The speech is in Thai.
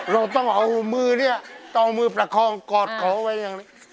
เราต้องเอามือพระคองกอดเขาไว้อย่างนี้